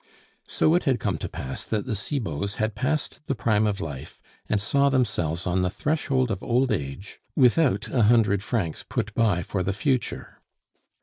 So it had come to pass that the Cibots had passed the prime of life, and saw themselves on the threshold of old age without a hundred francs put by for the future.